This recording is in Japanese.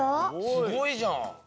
すごいじゃん。